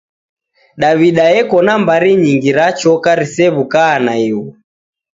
Daw'ida eko na mbari nyingi ra choka risew'ukaa naighu!